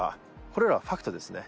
これらファクトですね